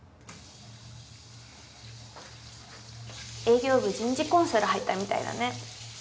営業部人事コンサル入ったみたいだね。